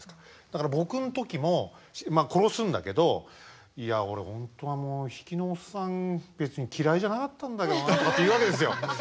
だから僕の時も殺すんだけど「いや俺本当比企のおっさん別に嫌いじゃなかったんだけどなあ」とかって言うわけですよ。